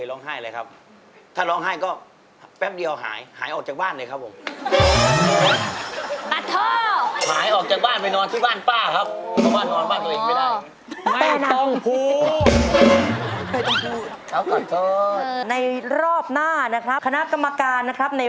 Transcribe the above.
ลูกพูดไว้จำได้มั้ย๓๑แล้ว